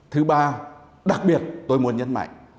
thứ ba đặc biệt tôi muốn nhấn mạnh